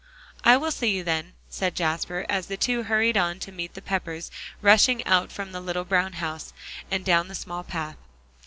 "I will see you then," said Jasper, as the two hurried on to meet the Peppers rushing out from the little brown house, and down the small path.